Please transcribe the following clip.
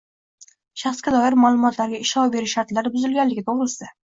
shaxsga doir ma’lumotlarga ishlov berish shartlari buzilganligi to‘g‘risida